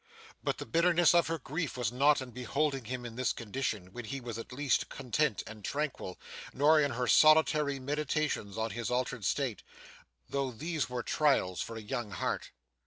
But, the bitterness of her grief was not in beholding him in this condition, when he was at least content and tranquil, nor in her solitary meditations on his altered state, though these were trials for a young heart.